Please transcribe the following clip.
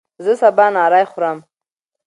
زه سبا نهاری خورم